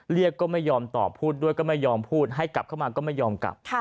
เรียกก็ไม่ยอมตอบพูดด้วยก็ไม่ยอมพูดให้กลับเข้ามาก็ไม่ยอมกลับ